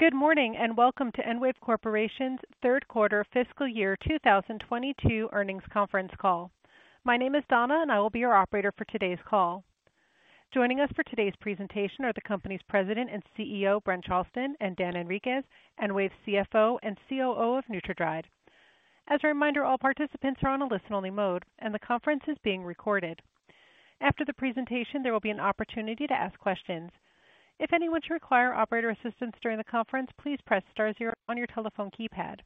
Good morning, and welcome to EnWave Corporation's third quarter fiscal year 2022 earnings conference call. My name is Donna, and I will be your operator for today's call. Joining us for today's presentation are the company's President and CEO, Brent Charleton, and Dan Henriques, EnWave's CFO and COO of NutraDry. As a reminder, all participants are on a listen-only mode, and the conference is being recorded. After the presentation, there will be an opportunity to ask questions. If anyone should require operator assistance during the conference, please press star zero on your telephone keypad.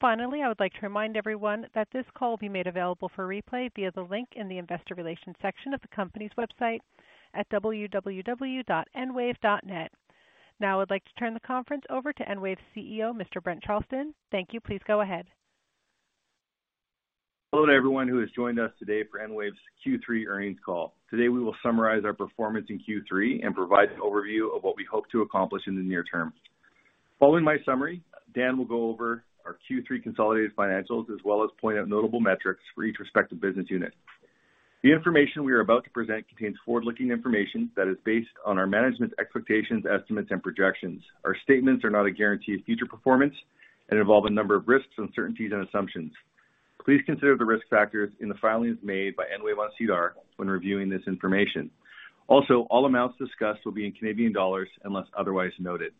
Finally, I would like to remind everyone that this call will be made available for replay via the link in the investor relations section of the company's website at www.enwave.net. Now I'd like to turn the conference over to EnWave's CEO, Mr. Brent Charleton. Thank you. Please go ahead. Hello to everyone who has joined us today for EnWave's Q3 earnings call. Today, we will summarize our performance in Q3 and provide an overview of what we hope to accomplish in the near term. Following my summary, Dan will go over our Q3 consolidated financials as well as point out notable metrics for each respective business unit. The information we are about to present contains forward-looking information that is based on our management expectations, estimates, and projections. Our statements are not a guarantee of future performance and involve a number of risks, uncertainties, and assumptions. Please consider the risk factors in the filings made by EnWave on SEDAR when reviewing this information. Also, all amounts discussed will be in Canadian dollars unless otherwise noted.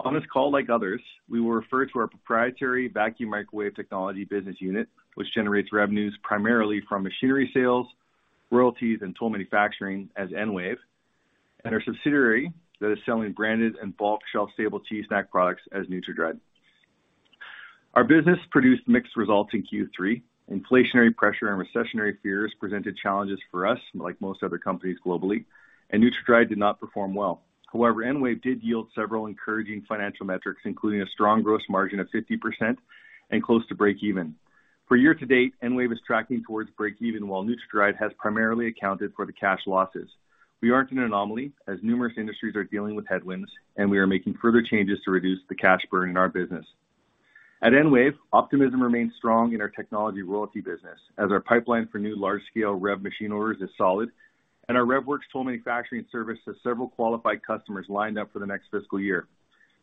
On this call, like others, we will refer to our proprietary vacuum microwave technology business unit, which generates revenues primarily from machinery sales, royalties, and toll manufacturing as EnWave, and our subsidiary that is selling branded and bulk shelf-stable dehydrated snack products as NutraDry. Our business produced mixed results in Q3. Inflationary pressure and recessionary fears presented challenges for us like most other companies globally, and NutraDry did not perform well. However, EnWave did yield several encouraging financial metrics, including a strong gross margin of 50% and close to breakeven. For year-to-date, EnWave is tracking towards breakeven, while NutraDry has primarily accounted for the cash losses. We aren't an anomaly, as numerous industries are dealing with headwinds, and we are making further changes to reduce the cash burn in our business. At EnWave, optimism remains strong in our technology royalty business as our pipeline for new large-scale REV machine orders is solid, and our REVworx toll manufacturing service has several qualified customers lined up for the next fiscal year.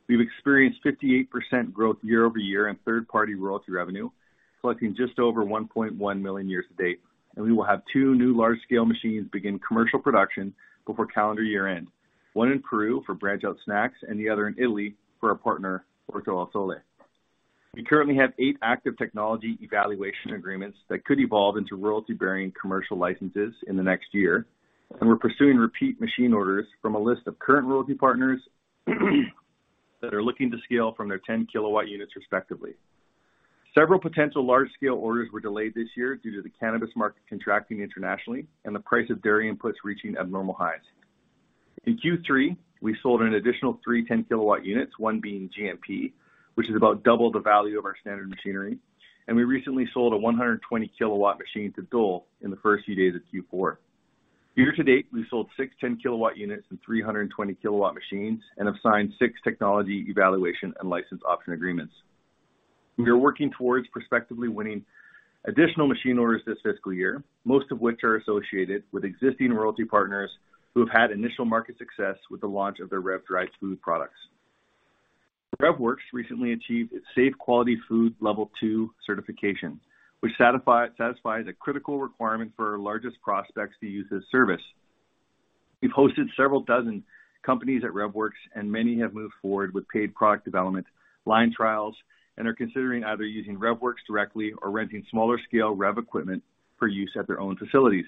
We've experienced 58% growth year-over-year in third-party royalty revenue, collecting just over 1.1 million year to date, and we will have two new large-scale machines begin commercial production before calendar year-end, one in Peru for BranchOut Food Inc. and the other in Italy for our partner, Orto al Sole. We currently have eight active technology evaluation agreements that could evolve into royalty-bearing commercial licenses in the next year, and we're pursuing repeat machine orders from a list of current royalty partners that are looking to scale from their 10-kilowatt units respectively. Several potential large-scale orders were delayed this year due to the cannabis market contracting internationally and the price of dairy inputs reaching abnormal highs. In Q3, we sold an additional three 10-kilowatt units, one being GMP, which is about double the value of our standard machinery, and we recently sold a 120-kilowatt machine to Dole in the first few days of Q4. Year to date, we sold six 10-kilowatt units and three 120-kilowatt machines and have signed six technology evaluation and license option agreements. We are working towards prospectively winning additional machine orders this fiscal year, most of which are associated with existing royalty partners who have had initial market success with the launch of their REV-dried food products. REVworx recently achieved its Safe Quality Food Level two certification, which satisfies a critical requirement for our largest prospects to use this service. We've hosted several dozen companies at REVworx, and many have moved forward with paid product development, line trials, and are considering either using REVworx directly or renting smaller scale REV equipment for use at their own facilities.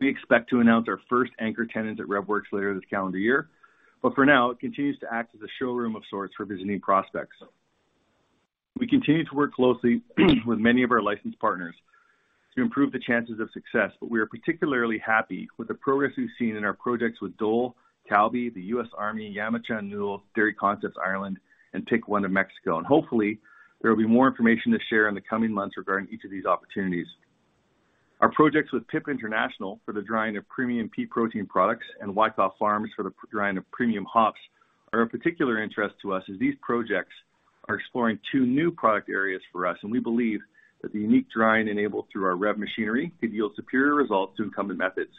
We expect to announce our first anchor tenant at REVworx later this calendar year, but for now, it continues to act as a showroom of sorts for visiting prospects. We continue to work closely with many of our licensed partners to improve the chances of success, but we are particularly happy with the progress we've seen in our projects with Dole, Calbee, the U.S. Army, Yamachan Ramen, Dairy Concepts Ireland, and TakeOne of Mexico. Hopefully, there will be more information to share in the coming months regarding each of these opportunities. Our projects with PIP International for the drying of premium pea protein products and Wyckoff Farms for the drying of premium hops are of particular interest to us, as these projects are exploring two new product areas for us, and we believe that the unique drying enabled through our REV machinery could yield superior results to incumbent methods.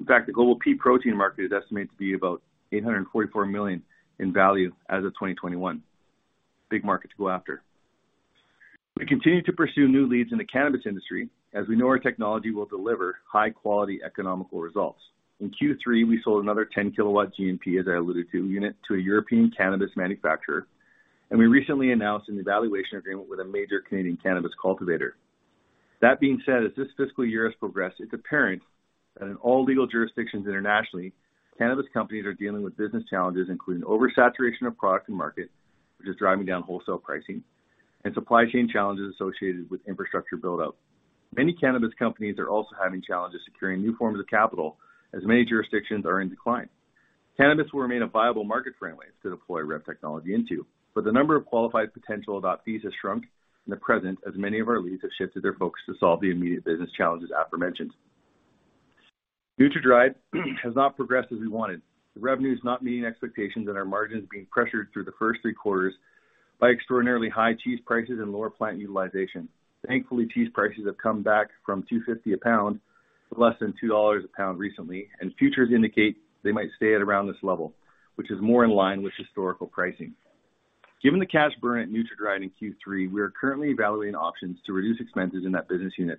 In fact, the global pea protein market is estimated to be about 844 million in value as of 2021. Big market to go after. We continue to pursue new leads in the cannabis industry as we know our technology will deliver high-quality, economical results. In Q3, we sold another 10kW GMP, as I alluded to, unit to a European cannabis manufacturer, and we recently announced an evaluation agreement with a major Canadian cannabis cultivator. That being said, as this fiscal year has progressed, it's apparent that in all legal jurisdictions internationally, cannabis companies are dealing with business challenges, including oversaturation of product and market, which is driving down wholesale pricing and supply chain challenges associated with infrastructure buildup. Many cannabis companies are also having challenges securing new forms of capital, as many jurisdictions are in decline. Cannabis will remain a viable market for EnWave to deploy REV technology into, but the number of qualified potential adoptees has shrunk in the present, as many of our leads have shifted their focus to solve the immediate business challenges aforementioned. NutraDry has not progressed as we wanted, with revenues not meeting expectations and our margins being pressured through the first three quarters by extraordinarily high cheese prices and lower plant utilization. Thankfully, cheese prices have come back from $2.50 a pound to less than $2 a pound recently, and futures indicate they might stay at around this level, which is more in line with historical pricing. Given the cash burn at NutraDry in Q3, we are currently evaluating options to reduce expenses in that business unit.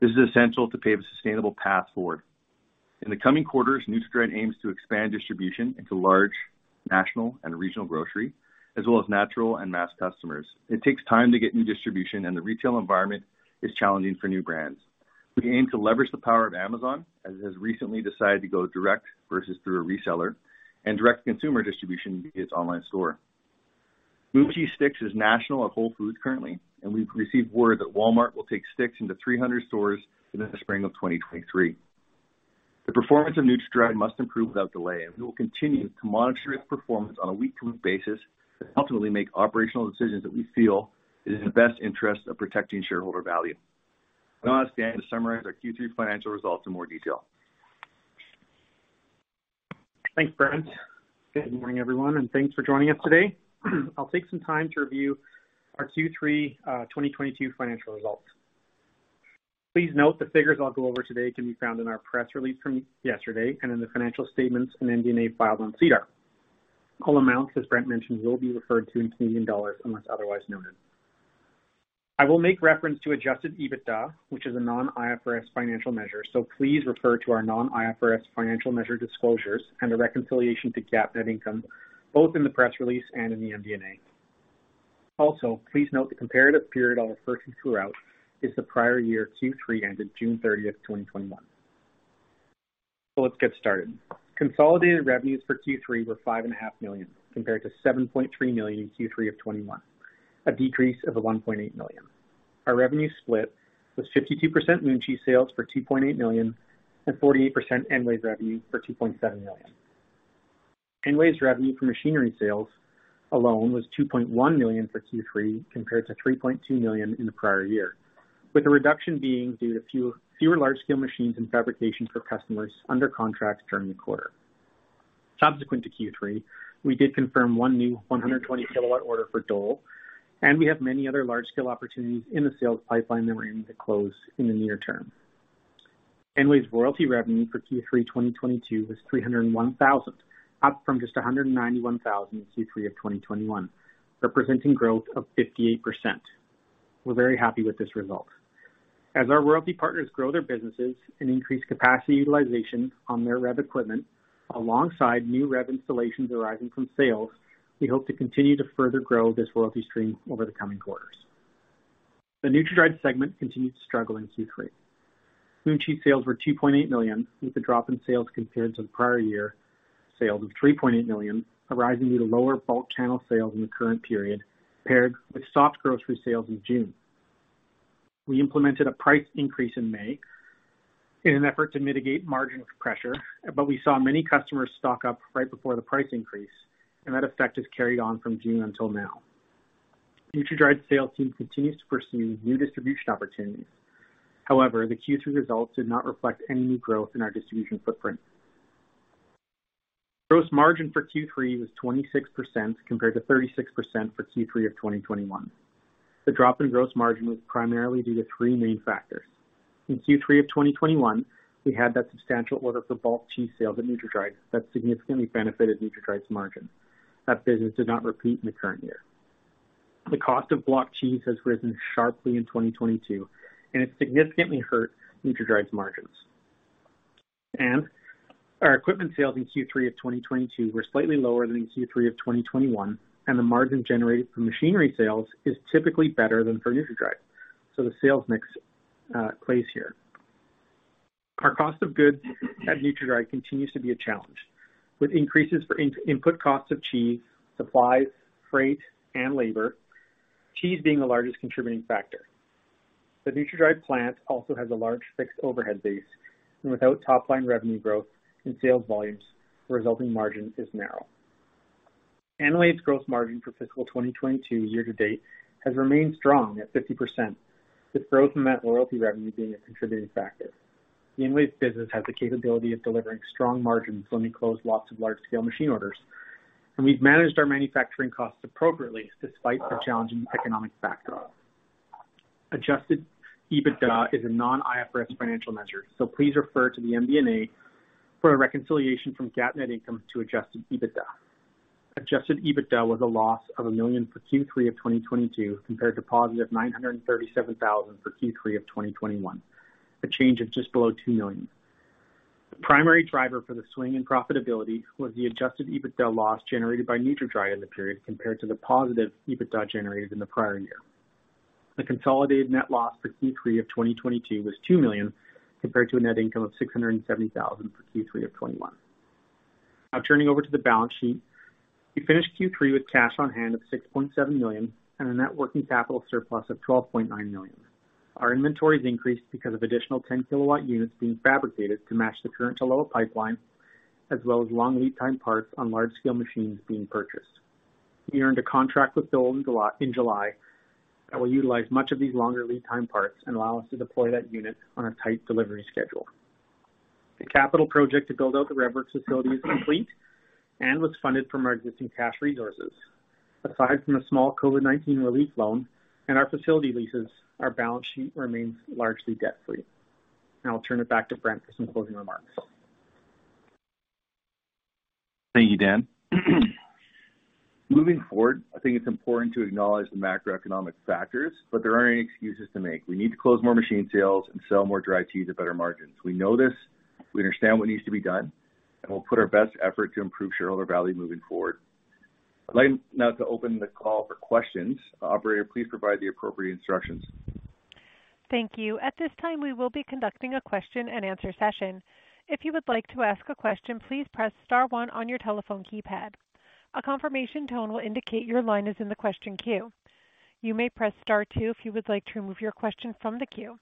This is essential to pave a sustainable path forward. In the coming quarters, NutraDry aims to expand distribution into large national and regional grocery, as well as natural and mass customers. It takes time to get new distribution, and the retail environment is challenging for new brands. We aim to leverage the power of Amazon, as it has recently decided to go direct versus through a reseller and direct consumer distribution via its online store. Moon Cheese Sticks is national at Whole Foods currently, and we've received word that Walmart will take Sticks into 300 stores within the spring of 2023. The performance of NutraDry must improve without delay, and we will continue to monitor its performance on a week-to-week basis to ultimately make operational decisions that we feel is in the best interest of protecting shareholder value. I'll now ask Dan to summarize our Q3 financial results in more detail. Thanks, Brent. Good morning, everyone, and thanks for joining us today. I'll take some time to review our Q3 2022 financial results. Please note the figures I'll go over today can be found in our press release from yesterday and in the financial statements in MD&A filed on SEDAR. All amounts, as Brent mentioned, will be referred to in Canadian dollars unless otherwise noted. I will make reference to adjusted EBITDA, which is a non-IFRS financial measure, so please refer to our non-IFRS financial measure disclosures and the reconciliation to GAAP net income, both in the press release and in the MD&A. Also, please note the comparative period I'll refer to throughout is the prior year Q3 ended June 30, 2021. Let's get started. Consolidated revenues for Q3 were 5.5 million, compared to 7.3 million in Q3 of 2021, a decrease of 1.8 million. Our revenue split was 52% Moon Cheese sales for 2.8 million and 48% EnWave revenue for 2.7 million. EnWave's revenue from machinery sales alone was 2.1 million for Q3 compared to 3.2 million in the prior year, with the reduction being due to fewer large-scale machines and fabrication for customers under contracts during the quarter. Subsequent to Q3, we did confirm one new 120-kilowatt order for Dole, and we have many other large-scale opportunities in the sales pipeline that we're aiming to close in the near term. EnWave's royalty revenue for Q3 2022 was 301 thousand, up from just 191 thousand in Q3 of 2021, representing growth of 58%. We're very happy with this result. As our royalty partners grow their businesses and increase capacity utilization on their REV equipment alongside new REV installations arising from sales, we hope to continue to further grow this royalty stream over the coming quarters. The NutraDry segment continued to struggle in Q3. Moon Cheese sales were 2.8 million, with a drop in sales compared to the prior year sales of 3.8 million arising due to lower bulk channel sales in the current period, paired with soft grocery sales in June. We implemented a price increase in May in an effort to mitigate margin pressure, but we saw many customers stock up right before the price increase, and that effect has carried on from June until now. NutraDry's sales team continues to pursue new distribution opportunities. However, the Q3 results did not reflect any new growth in our distribution footprint. Gross margin for Q3 was 26%, compared to 36% for Q3 of 2021. The drop in gross margin was primarily due to three main factors. In Q3 of 2021, we had that substantial order for bulk cheese sales at NutraDry that significantly benefited NutraDry's margin. That business did not repeat in the current year. The cost of block cheese has risen sharply in 2022, and it's significantly hurt NutraDry's margins. Our equipment sales in Q3 of 2022 were slightly lower than in Q3 of 2021, and the margin generated from machinery sales is typically better than for NutraDry, so the sales mix plays here. Our cost of goods at NutraDry continues to be a challenge, with increases in input costs of cheese, supplies, freight, and labor, cheese being the largest contributing factor. The NutraDry plant also has a large fixed overhead base, and without top-line revenue growth and sales volumes, the resulting margin is narrow. EnWave's gross margin for fiscal 2022 year to date has remained strong at 50%, with growth in that royalty revenue being a contributing factor. The EnWave business has the capability of delivering strong margins when we close lots of large-scale machine orders, and we've managed our manufacturing costs appropriately despite the challenging economic backdrop. Adjusted EBITDA is a non-IFRS financial measure, so please refer to the MD&A for a reconciliation from GAAP net income to adjusted EBITDA. Adjusted EBITDA was a loss of 1 million for Q3 of 2022 compared to positive 937,000 for Q3 of 2021, a change of just below 2 million. The primary driver for the swing in profitability was the adjusted EBITDA loss generated by NutraDry in the period compared to the positive EBITDA generated in the prior year. The consolidated net loss for Q3 of 2022 was 2 million compared to a net income of 670,000 for Q3 of 2021. Now turning over to the balance sheet. We finished Q3 with cash on hand of 6.7 million and a net working capital surplus of 12.9 million. Our inventories increased because of additional 10 kW units being fabricated to match the current to lower pipeline, as well as long lead time parts on large scale machines being purchased. We earned a contract with Dole in July that will utilize much of these longer lead time parts and allow us to deploy that unit on a tight delivery schedule. The capital project to build out the REVworx facility is complete and was funded from our existing cash resources. Aside from the small COVID-19 relief loan and our facility leases, our balance sheet remains largely debt-free. Now I'll turn it back to Brent for some closing remarks. Thank you, Dan. Moving forward, I think it's important to acknowledge the macroeconomic factors, but there aren't any excuses to make. We need to close more machine sales and sell more dried cheese to better margins. We know this, we understand what needs to be done, and we'll put our best effort to improve shareholder value moving forward. I'd like now to open the call for questions. Operator, please provide the appropriate instructions. Thank you. At this time, we will be conducting a question-and-answer session. If you would like to ask a question, please press star one on your telephone keypad. A confirmation tone will indicate your line is in the question queue. You may press star two if you would like to remove your question from the queue.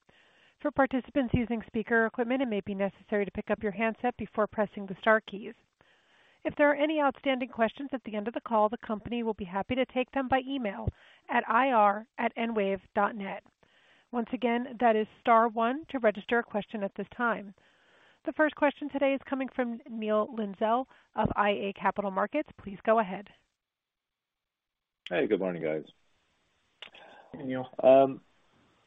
For participants using speaker equipment, it may be necessary to pick up your handset before pressing the star keys. If there are any outstanding questions at the end of the call, the company will be happy to take them by email at ir@enwave.net. Once again, that is star one to register a question at this time. The first question today is coming from Neil Linsdell of iA Capital Markets. Please go ahead. Hey, good morning, guys. Hey, Neil.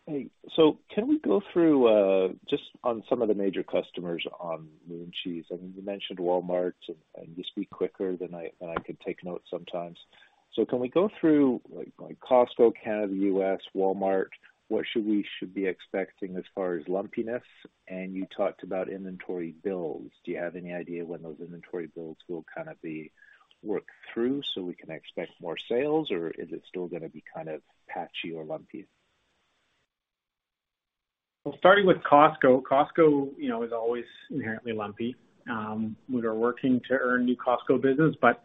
Can we go through just on some of the major customers on Moon Cheese? I mean, you mentioned Walmart, and you speak quicker than I can take notes sometimes. Can we go through like Costco, Canada, US, Walmart? What should we be expecting as far as lumpiness? You talked about inventory builds. Do you have any idea when those inventory builds will kind of be worked through so we can expect more sales, or is it still gonna be kind of patchy or lumpy? Starting with Costco. Costco, you know, is always inherently lumpy. We are working to earn new Costco business, but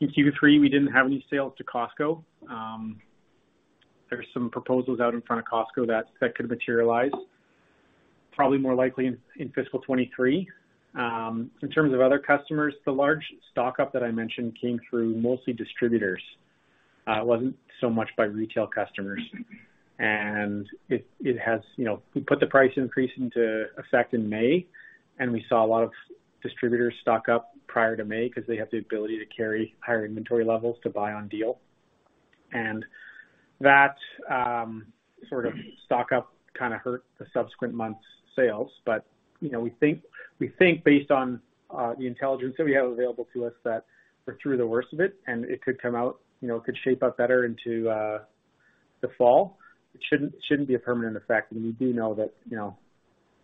in Q3, we didn't have any sales to Costco. There's some proposals out in front of Costco that could materialize probably more likely in fiscal 2023. In terms of other customers, the large stock-up that I mentioned came through mostly distributors. It wasn't so much by retail customers. You know, we put the price increase into effect in May, and we saw a lot of distributors stock up prior to May 'cause they have the ability to carry higher inventory levels to buy on deal. That sort of stock up kinda hurt the subsequent month's sales. You know, we think based on the intelligence that we have available to us that we're through the worst of it and it could come out, you know, it could shape up better into the fall. It shouldn't be a permanent effect. We do know that, you know,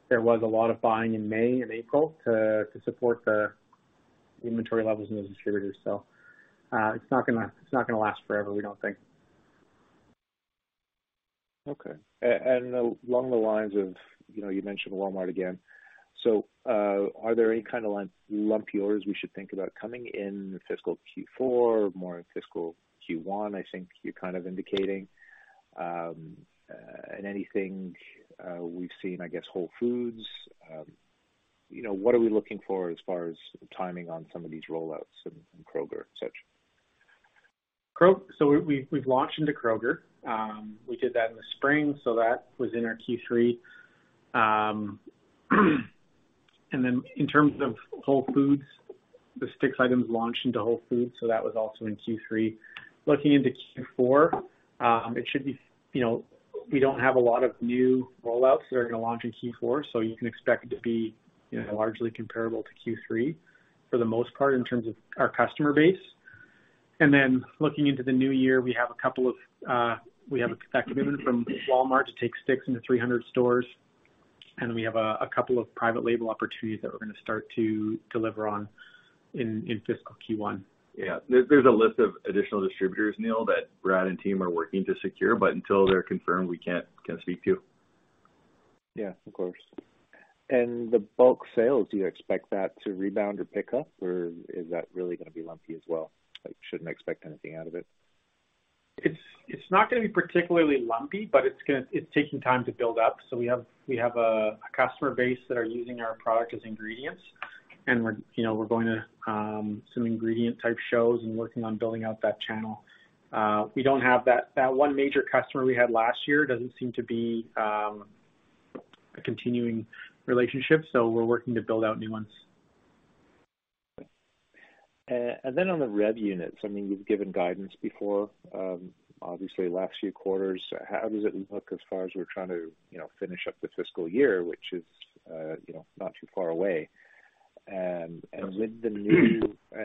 there was a lot of buying in May and April to support the inventory levels in those distributors. It's not gonna last forever, we don't think. Okay. Along the lines of, you know, you mentioned Walmart again. Are there any kind of lumpy orders we should think about coming in fiscal Q4, more in fiscal Q1, I think you're kind of indicating. Anything we've seen, I guess, Whole Foods. You know, what are we looking for as far as timing on some of these rollouts in Kroger and such? We've launched into Kroger. We did that in the spring, so that was in our Q3. In terms of Whole Foods, the sticks items launched into Whole Foods, so that was also in Q3. Looking into Q4, it should be. You know, we don't have a lot of new rollouts that are gonna launch in Q4, so you can expect it to be, you know, largely comparable to Q3 for the most part in terms of our customer base. Looking into the new year, we have a commitment from Walmart to take sticks into 300 stores, and we have a couple of private label opportunities that we're gonna start to deliver on in fiscal Q1. Yeah. There's a list of additional distributors, Neil, that Brad and team are working to secure, but until they're confirmed, we can't speak to. Yeah, of course. The bulk sales, do you expect that to rebound or pick up, or is that really gonna be lumpy as well? Like, shouldn't expect anything out of it? It's not gonna be particularly lumpy, but it's taking time to build up. We have a customer base that are using our product as ingredients, and we're, you know, we're going to some ingredient type shows and working on building out that channel. We don't have that. That one major customer we had last year doesn't seem to be a continuing relationship, so we're working to build out new ones. On the REV units, I mean, you've given guidance before, obviously last few quarters. How does it look as far as we're trying to, you know, finish up the fiscal year, which is, you know, not too far away?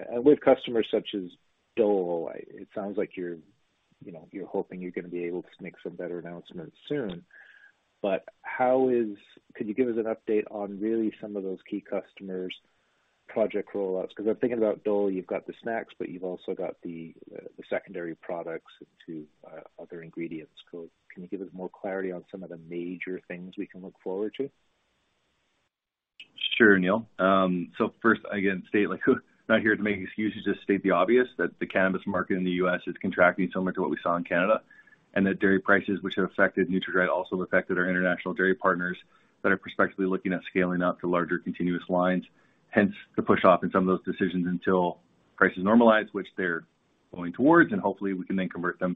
With customers such as Dole, it sounds like you're, you know, you're hoping you're gonna be able to make some better announcements soon. Could you give us an update on really some of those key customers' project rollouts? 'Cause I'm thinking about Dole, you've got the snacks, but you've also got the secondary products to other ingredients. So can you give us more clarity on some of the major things we can look forward to? Sure, Neil. First, again, like, not here to make excuses to state the obvious, that the cannabis market in the U.S. is contracting similar to what we saw in Canada, and that dairy prices which have affected NutraDry also affected our international dairy partners that are prospectively looking at scaling up to larger continuous lines. Hence the push off in some of those decisions until prices normalize, which they're going towards, and hopefully we can then convert them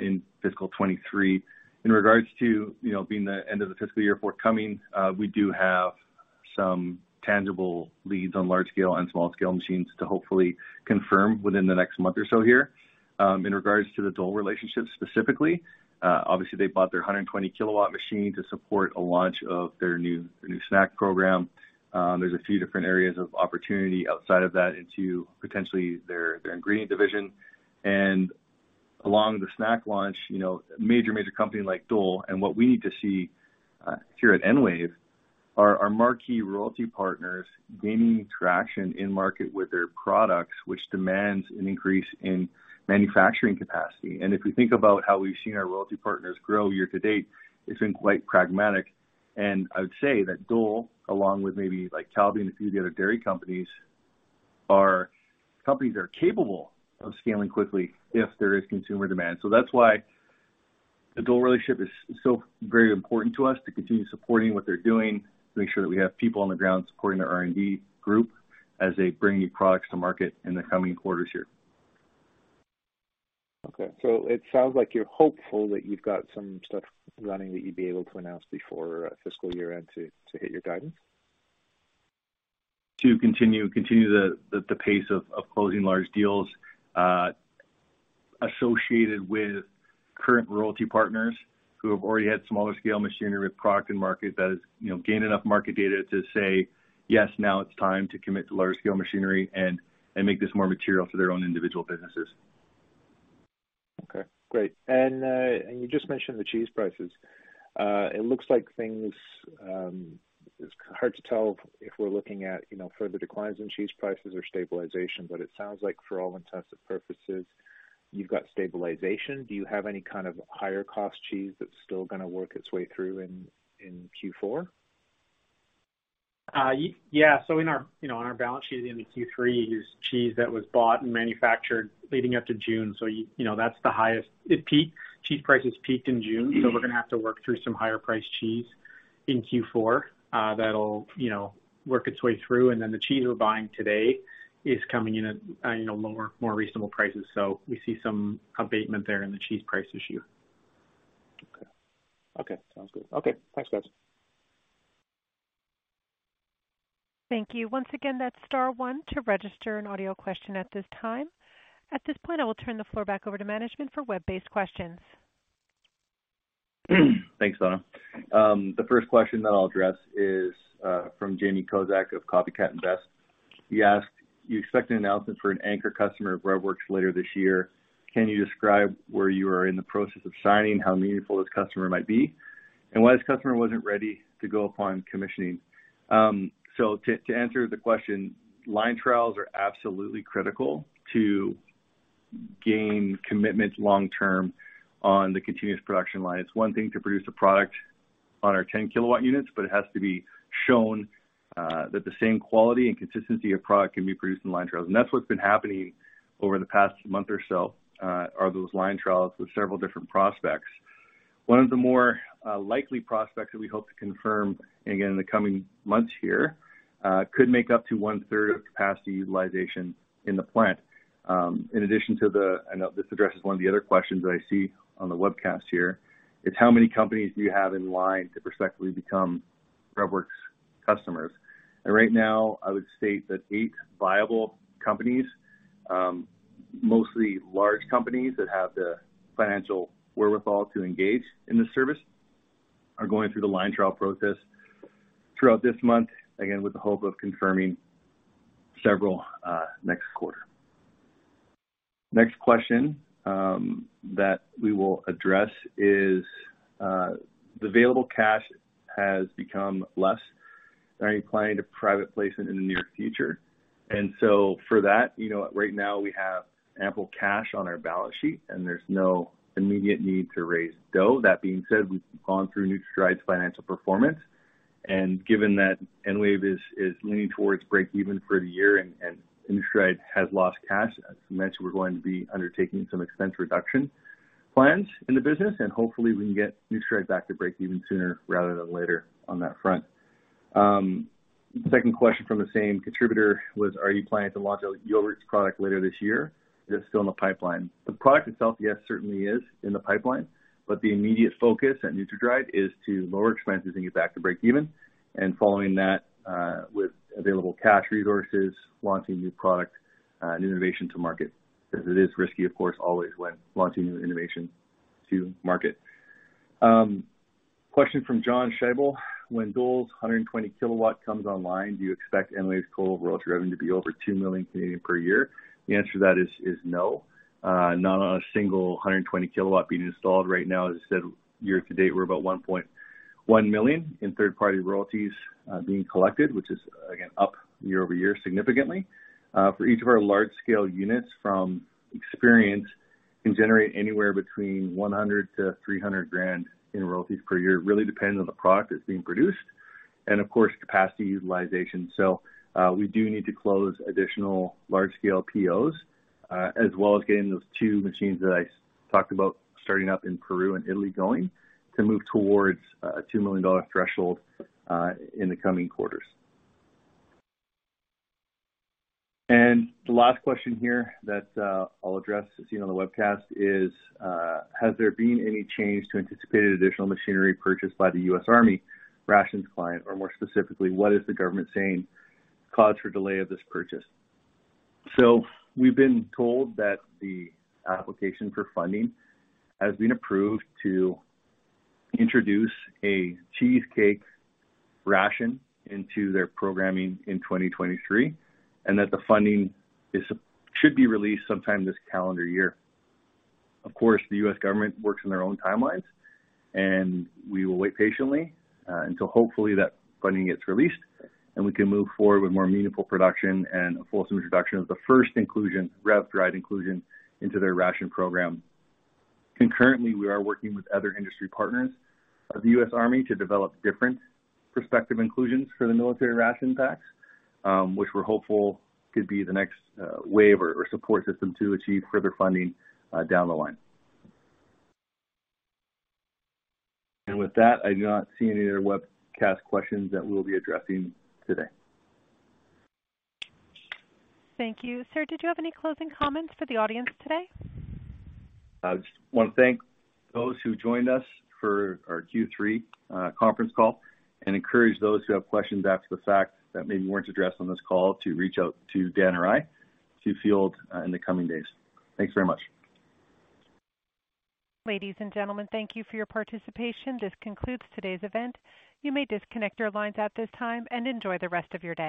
in fiscal 2023. In regards to, you know, being the end of the fiscal year forthcoming, we do have some tangible leads on large scale and small scale machines to hopefully confirm within the next month or so here. In regards to the Dole relationship specifically, obviously they bought their 120-kilowatt machine to support a launch of their new snack program. There's a few different areas of opportunity outside of that into potentially their ingredient division. Along the snack launch, you know, a major company like Dole, and what we need to see here at EnWave are our marquee royalty partners gaining traction in market with their products, which demands an increase in manufacturing capacity. If we think about how we've seen our royalty partners grow year to date, it's been quite dramatic. I would say that Dole, along with maybe like Calbee and a few of the other dairy companies, are companies that are capable of scaling quickly if there is consumer demand. That's why the Dole relationship is so very important to us to continue supporting what they're doing, to make sure that we have people on the ground supporting their R&D group as they bring new products to market in the coming quarters here. Okay. It sounds like you're hopeful that you've got some stuff running that you'd be able to announce before fiscal year-end to hit your guidance. To continue the pace of closing large deals, associated with current royalty partners who have already had smaller scale machinery with product and market that has, you know, gained enough market data to say, "Yes, now it's time to commit to larger scale machinery and make this more material for their own individual businesses. Okay, great. You just mentioned the cheese prices. It looks like things, it's hard to tell if we're looking at, you know, further declines in cheese prices or stabilization, but it sounds like for all intents and purposes, you've got stabilization. Do you have any kind of higher cost cheese that's still gonna work its way through in Q4? Yeah. In our, you know, on our balance sheet at the end of Q3 is cheese that was bought and manufactured leading up to June. You know, that's the highest it peaked. Cheese prices peaked in June, so we're gonna have to work through some higher priced cheese in Q4. That'll, you know, work its way through. Then the cheese we're buying today is coming in at, you know, lower, more reasonable prices. We see some abatement there in the cheese price issue. Okay. Okay, sounds good. Okay, thanks, guys. Thank you. Once again, that's star one to register an audio question at this time. At this point, I will turn the floor back over to management for web-based questions. Thanks, Donna. The first question that I'll address is from Jamie Kozak of Copycat Invest. He asked, "You expect an announcement for an anchor customer of REVworx later this year. Can you describe where you are in the process of signing, how meaningful this customer might be, and why this customer wasn't ready to go upon commissioning?" To answer the question, line trials are absolutely critical to gain commitment long term on the continuous production line. It's one thing to produce a product on our 10 kW units, but it has to be shown that the same quality and consistency of product can be produced in line trials. That's what's been happening over the past month or so, those line trials with several different prospects. One of the more likely prospects that we hope to confirm, again, in the coming months here, could make up to one-third of capacity utilization in the plant. I know this addresses one of the other questions that I see on the webcast here, is how many companies do you have in line to respectively become REVworx customers? Right now, I would state that eight viable companies, mostly large companies that have the financial wherewithal to engage in this service, are going through the line trial process throughout this month, again, with the hope of confirming several next quarter. Next question that we will address is, the available cash has become less. Are you planning to private placement it in the near future? For that, you know, right now we have ample cash on our balance sheet, and there's no immediate need to raise dough. That being said, we've gone through NutraDry's financial performance, and given that EnWave is leaning towards break even for the year and NutraDry has lost cash, as mentioned, we're going to be undertaking some expense reduction plans in the business, and hopefully we can get NutraDry back to break even sooner rather than later on that front. Second question from the same contributor was, are you planning to launch a Yolove product later this year, or is it still in the pipeline? The product itself, yes, certainly is in the pipeline, but the immediate focus at NutraDry is to lower expenses and get back to break even, and following that, with available cash resources, launching new product and innovation to market, 'cause it is risky, of course, always when launching new innovation to market. Question from John Scheibel. When Dole's 120-kilowatt comes online, do you expect EnWave's total royalty revenue to be over 2 million Canadian dollars per year? The answer to that is no. Not on a single 120-kilowatt being installed right now. As I said, year to date, we're about 1.1 million in third-party royalties being collected, which is, again, up year-over-year significantly. For each of our large scale units from experience can generate anywhere between 100,000-300,000 in royalties per year. It really depends on the product that's being produced and of course, capacity utilization. We do need to close additional large scale POs, as well as getting those two machines that I talked about starting up in Peru and Italy going to move towards a 2 million dollar threshold in the coming quarters. The last question here that I'll address, as seen on the webcast, is has there been any change to anticipated additional machinery purchased by the United States Army rations client? Or more specifically, what is the government saying caused your delay of this purchase? We've been told that the application for funding has been approved to introduce a cheesecake ration into their programming in 2023, and that the funding is, should be released sometime this calendar year. Of course, the U.S. government works in their own timelines, and we will wait patiently until hopefully that funding gets released and we can move forward with more meaningful production and a fulsome introduction of the first inclusion, REV-dried inclusion into their ration program. Concurrently, we are working with other industry partners of the U.S. Army to develop different prospective inclusions for the military ration packs, which we're hopeful could be the next wave or support system to achieve further funding down the line. With that, I do not see any other webcast questions that we'll be addressing today. Thank you. Sir, did you have any closing comments for the audience today? I just wanna thank those who joined us for our Q3 conference call and encourage those who have questions after the fact that maybe weren't addressed on this call to reach out to Dan or I to field in the coming days. Thanks very much. Ladies and gentlemen, thank you for your participation. This concludes today's event. You may disconnect your lines at this time and enjoy the rest of your day.